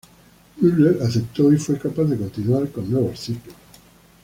Müller aceptó y fue capaz de continuar con nuevos ciclos.